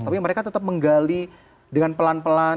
tapi mereka tetap menggali dengan pelan pelan